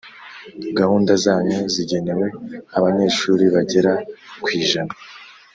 Gahunda zanyu, zigenewe abanyeshuri bagera kwijana